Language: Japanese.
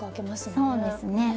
そうですね。